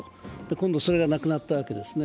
今度それがなくなったわけですね。